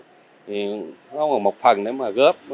thì nó còn một phần để mà góp